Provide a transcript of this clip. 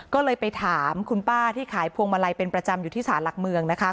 ก็เลยไปถามคุณป้าที่ขายพวงมาลัยเป็นประจำอยู่ที่สารหลักเมืองนะคะ